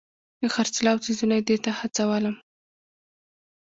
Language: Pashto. د خرڅلاو څیزونه دې ته هڅولم.